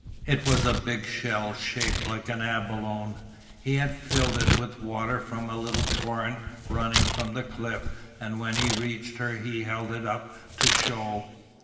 It was a big shell shaped like an abalone. He had filled it with water from a little torrent running from the cliff and when he reached her he held it up to show.